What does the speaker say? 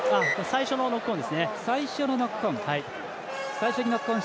最初のノックオン。